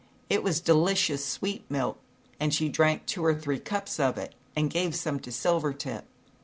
It was delicious sweet milk and she drank two or three cups of it and gave some to Silvertip.